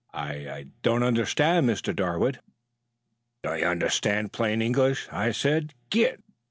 "I I don't understand, Mr. Darwood." "Don't you understand plain English? I said 'git.'